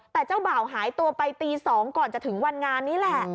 แต่เจ้าบ่าวหายตัวไปตี๒ก่อนจะถึงวันงานนี้แหละ